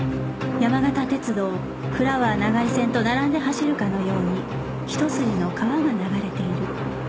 山形鉄道フラワー長井線と並んで走るかのように一筋の川が流れている